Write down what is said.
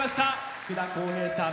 福田こうへいさん